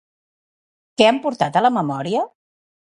Què han portat a la memòria?